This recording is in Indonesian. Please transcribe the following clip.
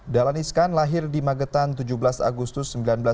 dahlan iskan lahir di magetan tujuh belas agustus seribu sembilan ratus sembilan puluh